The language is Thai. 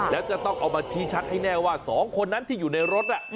แล้วจะต้องเอามาชี้ชัดให้แน่ว่า๒คนนั้นที่อยู่ในรถ